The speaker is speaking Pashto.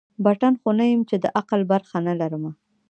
پتڼ خو نه یم چي د عقل برخه نه لرمه